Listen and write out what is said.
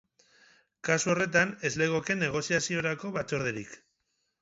Kasu horretan, ez legoke negoziaziorako batzorderik.